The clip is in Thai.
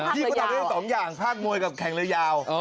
พี่ก็ตอบให้๒อย่างภาคมวยกับแข่งเลือดยาว